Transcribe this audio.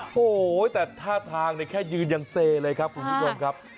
โหแต่ท่าทางแค่ยืนอย่างเซเลยครับคุณผู้ชมครับ